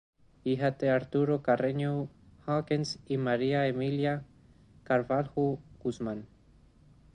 Hija de Arturo Carreño Hawkins y María Emilia Carvalho Guzmán.